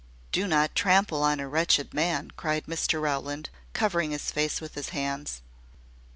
"Do not trample on a wretched man!" cried Mr Rowland, covering his face with his hands.